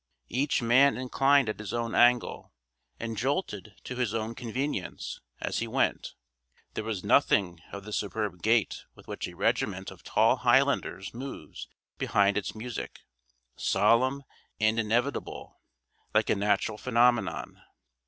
Each man inclined at his own angle, and jolted to his own convenience, as he went. There was nothing of the superb gait with which a regiment of tall Highlanders moves behind its music, solemn and inevitable, like a natural phenomenon.